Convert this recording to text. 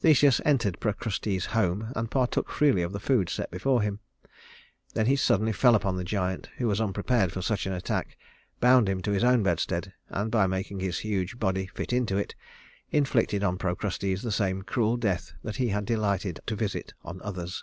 Theseus entered Procrustes's home, and partook freely of the food set before him. Then he suddenly fell upon the giant, who was unprepared for such an attack, bound him to his own bedstead, and by making his huge body fit into it, inflicted on Procrustes the same cruel death that he had delighted to visit on others.